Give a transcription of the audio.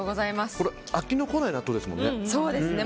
飽きの来ない納豆ですもんね。